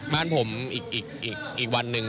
บ้านผมอีกวันหนึ่ง